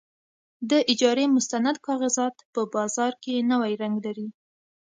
د اجارې مستند کاغذات په بازار کې نوی رنګ لري.